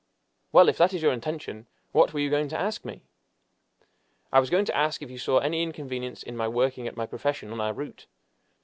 "Well, if that is your intention what were you going to ask me?" "I was going to ask if you saw any inconvenience in my working at my profession on our route.